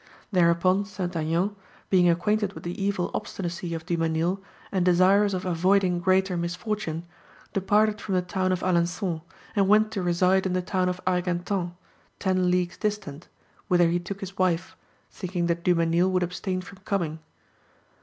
Thereupon St. Aignan, being acquainted with the evil obstinacy of Dumesnil and desirous of avoiding greater misfortune, departed from the town of Alençon, and went to reside in the town of Argentan, ten leagues distant, whither he took his wife, thinking that Dumesnil would abstain from coming.